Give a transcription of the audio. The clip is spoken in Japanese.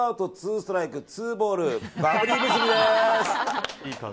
ストライク２ボールバブリーむすびです。